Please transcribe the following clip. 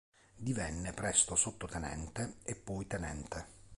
Divenne presto sottotenente e poi tenente.